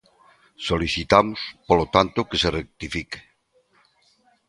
Solicitamos, polo tanto, que se rectifique.